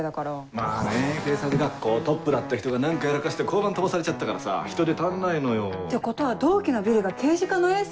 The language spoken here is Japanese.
まぁね警察学校トップだった人が何かやらかして交番飛ばされちゃったからさ人手足んないのよ。ってことは同期のビリが刑事課のエース？